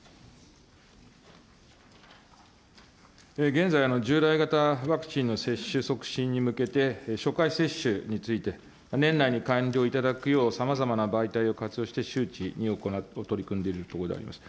現在、従来型ワクチンの接種促進に向けて、初回接種について、年内に完了いただくよう、さまざまな媒体を活用して、周知に取り組んでおるところでございます。